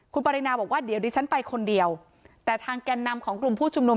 คุณปรินาบอกว่าเดี๋ยวดิฉันไปคนเดียวแต่ทางแก่นนำของกลุ่มผู้ชุมนุม